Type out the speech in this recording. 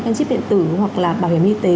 căn chip điện tử hoặc là bảo hiểm y tế